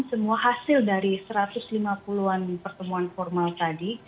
semua hasil dari satu ratus lima puluh an pertemuan formal tadi